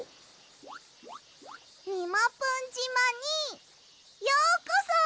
みもぷんじまにようこそ！